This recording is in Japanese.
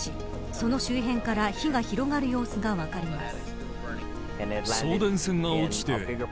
その周辺から火が広がる様子が分かります。